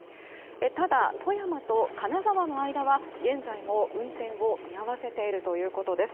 ただ、富山と金沢の間は現在も運転を見合わせているということです。